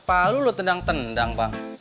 palu loh tendang tendang bang